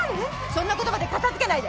そんな言葉で片付けないで！